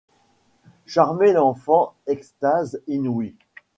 Charmez l’enfant, extases inouïes!